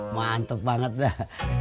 mantep banget dah